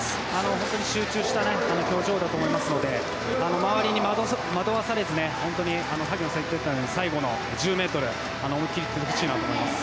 本当に集中した表情だと思いますので周りに惑わされず萩野さんが言ったように最後の１０ｍ思いっきり行ってほしいです。